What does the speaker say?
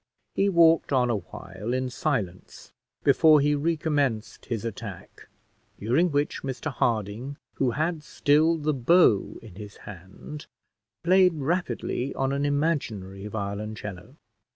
He walked on awhile in silence before he recommenced his attack, during which Mr Harding, who had still the bow in his hand, played rapidly on an imaginary violoncello.